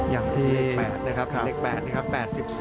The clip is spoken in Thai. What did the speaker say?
อย่างที่เลข๘นะครับ